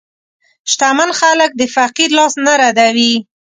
شتمن خلک د فقیر لاس نه ردوي.